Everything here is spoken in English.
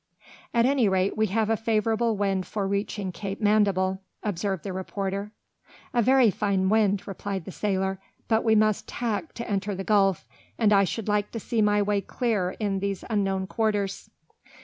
"At any rate we have a favourable wind for reaching Cape Mandible," observed the reporter. "A very fine wind," replied the sailor; "but we must tack to enter the gulf, and I should like to see my way clear in these unknown quarters."